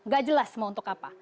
gak jelas mau untuk apa